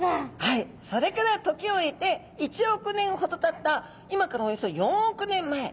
それから時を経て１億年ほどたった今からおよそ４億年前。